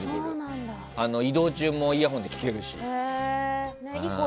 移動中もイヤホンで聴けるし。